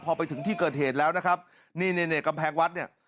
พอไปถึงที่เกิดเหตุแล้วนะครับนี่นี่กำแพงวัดเนี่ย